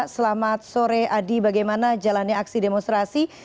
selamat sore adi bagaimana jalannya aksi demonstrasi